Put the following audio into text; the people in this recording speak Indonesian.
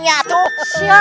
ya itu dia